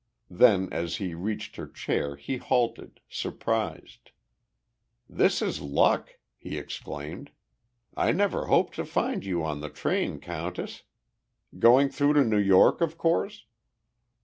Then, as he reached her chair he halted, surprised. "This is luck!" he exclaimed. "I never hoped to find you on the train, Countess! Going through to New York, of course?"